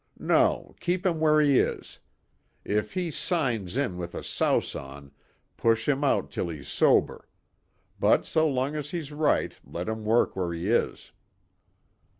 No, keep him where he is. If he 'signs' in with a souse on, push him out till he's sober. But so long as he's right let him work where he is."